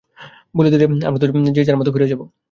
বলে দিলে আমরা যে যার মতো ফিরে যাবো।